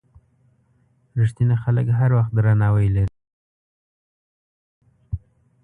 رښتیني خلک هر وخت درناوی لري.